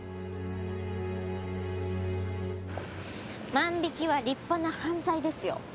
万引きは立派な犯罪ですよ。